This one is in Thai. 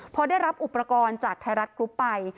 พอได้รับอุปกรณ์จากฮรรษ์กรุไป